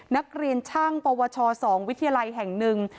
นักเรียนช่างปวช๒วิทยาลัยแห่งหนึ่ง